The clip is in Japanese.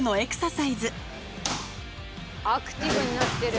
アクティブになってる。